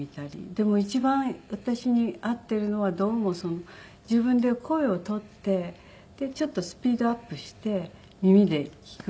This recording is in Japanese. でも一番私に合っているのはどうも自分で声を録ってちょっとスピードアップして耳で聴くのが一番いいんですけど。